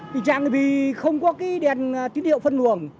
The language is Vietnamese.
tình trạng vì không có cái đèn tín hiệu phân luồng